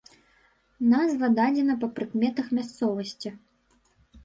Назва дадзена па прыкметах мясцовасці.